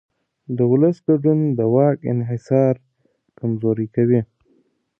د ولس ګډون د واک انحصار کمزوری کوي